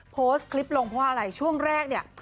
โพสต์คลิปลงเพราะว่าอะไรช่วงแรกเนี่ย